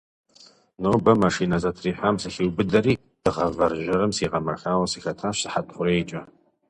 Нобэ машинэ зэтрихьам сыхиубыдэри, дыгъэ вэржьэрым сигъэмэхауэ сыхэтащ сыхьэт хъурейкӏэ.